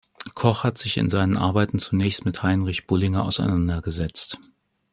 Koch hat sich in seinen Arbeiten zunächst mit Heinrich Bullinger auseinandergesetzt.